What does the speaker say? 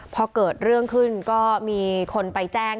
พอเกิดเรื่องขึ้นก็มีคนไปแจ้ง